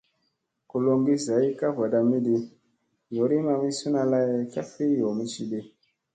Koloŋgi zay ka vadamidi, yoorii mamisina lay ka fi yoomi cidi.